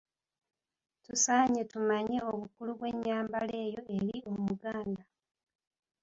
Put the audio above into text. Tusaanye tumanye obukulu bw'enyambala eyo eri Omuganda.